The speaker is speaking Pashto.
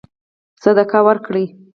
صدقه ورکړي.